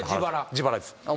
自腹です。